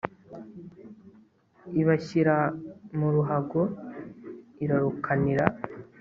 ibashyira mu ruhago irarukanira